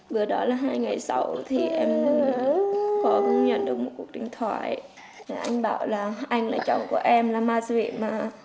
vừa đó là hai ngày sau thì em có nhận được một cuộc điện thoại anh bảo là anh là chồng của em là ma sĩ mà